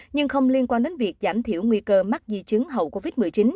nhưng không liên quan đến việc giảm thiểu nguy cơ mắc di chứng hậu covid một mươi chín